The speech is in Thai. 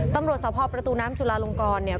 ตำรวจสภประตูน้ำจุลาลงกรเนี่ย